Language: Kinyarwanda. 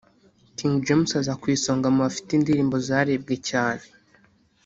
King James aza ku isonga mu bafite indirimbo zarebwe cyane